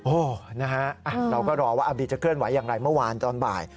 โอ้โหนะฮะเราก็รอว่าอาบีจะเคลื่อนไหวอย่างไรเมื่อวานตอนบ่าย